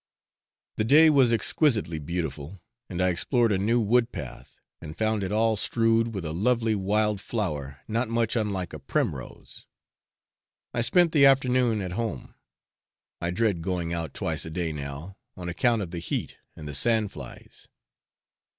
The day was exquisitely beautiful, and I explored a new wood path, and found it all strewed with a lovely wild flower not much unlike a primrose. I spent the afternoon at home. I dread going out twice a day now, on account of the heat and the sand flies.